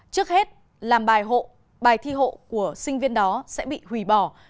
trước hết làm bài hộ bài thi hộ của sinh viên đó sẽ bị hủy bỏ